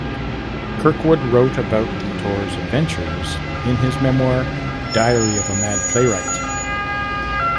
Kirkwood wrote about the tour's adventures in his memoir, "Diary of a Mad Playwright".